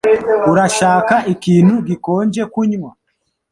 Urashaka ikintu gikonje kunywa?